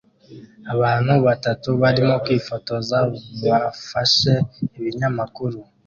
Abantu batatu barimo kwifotoza bafashe ibinyamakuru